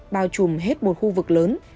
bao trùm hết một khu vực lớn